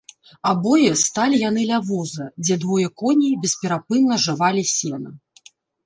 Абое сталі яны ля воза, дзе двое коней бесперапынна жавалі сена.